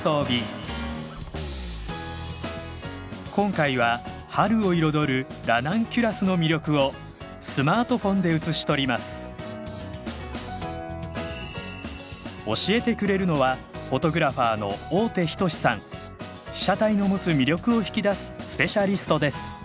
今回は春を彩るラナンキュラスの魅力をスマートフォンで写し取ります教えてくれるのは被写体の持つ魅力を引き出すスペシャリストです